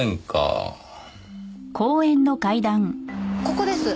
ここです。